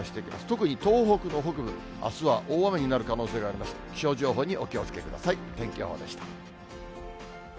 特に東北の北部、あすは大雨になる可能性がありまして、気象情報にお気をつけください、天気予報でした。